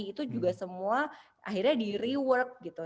itu juga semua akhirnya di reward gitu